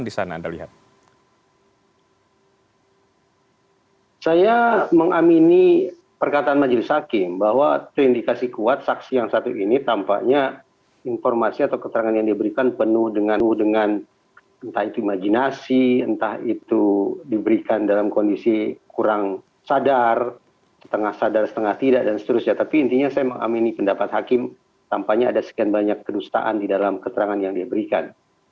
tapi intinya saya mengamini pendapat hakim tampaknya ada sekian banyak kedustaan di dalam keterangan yang dia berikan